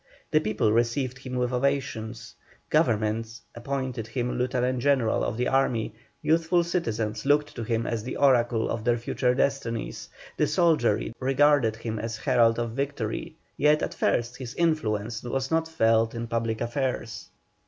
The people received him with ovations; Government appointed him lieutenant general of their army; youthful citizens looked to him as the oracle of their future destinies; the soldiery regarded him as the herald of victory; yet at first his influence was not felt in public affairs.